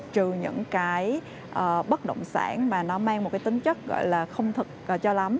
trừ những cái bất động sản mà nó mang một cái tính chất gọi là không thật cho lắm